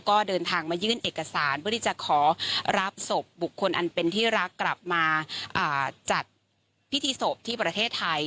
ก็เดินทางมายื่นเอกสารเพื่อที่จะขอรับศพบุคคลอันเป็นที่รักกลับมาจัดพิธีศพที่ประเทศไทย